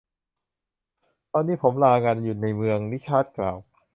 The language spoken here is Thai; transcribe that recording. ตอนนี้ผมลางานอยู่ในเมือง ริชาร์ดกล่าว